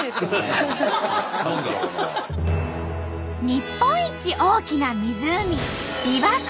日本一大きな湖びわ湖。